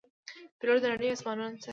پیلوټ د نړۍ آسمانونه څاري.